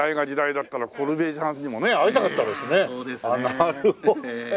なるほどね。